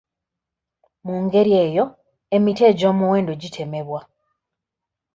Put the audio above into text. Mu ngeri eyo, emiti egy'omuwendo gitemebwa.